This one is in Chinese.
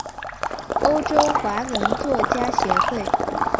欧洲华文作家协会。